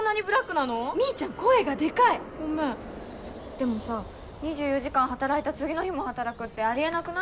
でもさ２４時間働いた次の日も働くってあり得なくない？